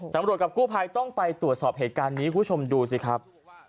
กับกู้ภัยต้องไปตรวจสอบเหตุการณ์นี้คุณผู้ชมดูสิครับ